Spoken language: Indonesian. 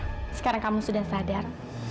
selamat ya sekarang kamu sudah sadar